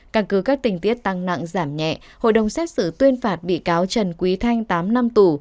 căn cứ các tình tiết tăng nặng giảm nhẹ hội đồng xét xử tuyên phạt bị cáo trần quý thanh tám năm tù